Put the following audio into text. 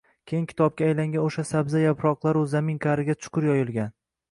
keyin kitobga aylangan o‘sha sabza yaproqlaru zamin qa’riga chuqur yoyilgan